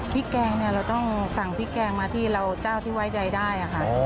แกงเนี่ยเราต้องสั่งพริกแกงมาที่เราเจ้าที่ไว้ใจได้ค่ะ